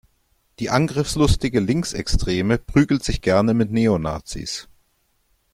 Die angriffslustige Linksextreme prügelt sich gerne mit Neonazis.